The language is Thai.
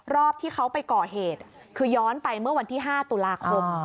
รอบที่เขาไปก่อเหตุคือย้อนไปเมื่อวันที่๕ตุลาคม